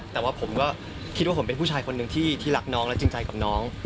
แต่ว่าผมก็คิดว่าผมเป็นผู้ชายคนหนึ่งที่รักน้องและจริงใจกับน้อง